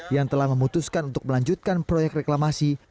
yang telah memutuskan untuk melanjutkan proyek reklamasi